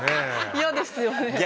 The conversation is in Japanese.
嫌ですよね。